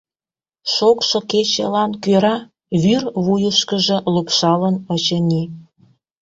Шокшо кечылан кӧра вӱр вуйышкыжо лупшалын, очыни.